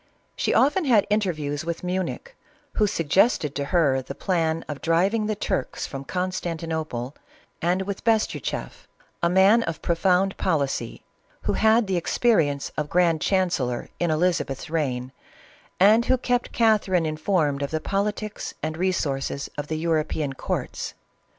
She often had interviews with Munich, who suggested to her the plan of driving the Turks from Constantinople, and with Bestuchoff, a man of pro found policy, who had the experience of grand chan cellor in Elizabeth's reign, and who kept Catherine in formed of the politics and resources of the European courts.